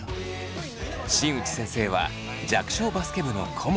新内先生は弱小バスケ部の顧問。